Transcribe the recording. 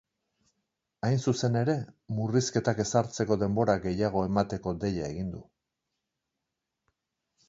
Hain zuzen ere, murrizketak ezartzeko denbora gehiago emateko deia egin du.